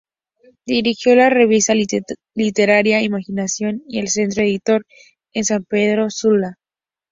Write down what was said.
Dirigió la revista literaria Imaginación y el Centro Editor, en San Pedro Sula.